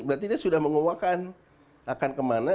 berarti dia sudah menguakkan akan kemana